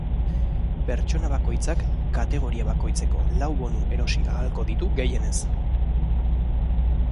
Pertsona bakoitzak kategoria bakoitzeko lau bonu erosi ahalko ditu gehienez.